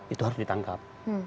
itu harus ditangkap